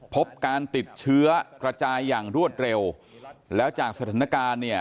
พบการติดเชื้อกระจายอย่างรวดเร็วแล้วจากสถานการณ์เนี่ย